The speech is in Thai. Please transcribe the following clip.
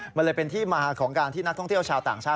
มันเลยเป็นที่มาของการที่นักท่องเที่ยวชาวต่างชาติ